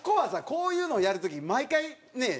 こういうのをやる時毎回ねえ